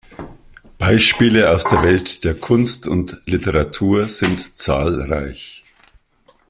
Beispiele aus der Welt der Kunst und Literatur sind zahlreich.